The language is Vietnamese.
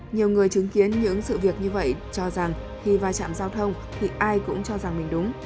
nhiều người chứng kiến những sự việc như vậy cho rằng khi va chạm giao thông thì ai cũng cho rằng mình đúng